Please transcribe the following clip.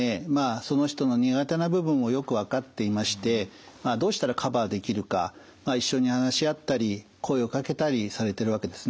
その人の苦手な部分をよく分かっていましてどうしたらカバーできるか一緒に話し合ったり声をかけたりされてるわけですね。